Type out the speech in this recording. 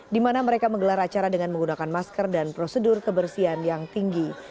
di mana mereka menggelar acara dengan menggunakan masker dan prosedur kebersihan yang tinggi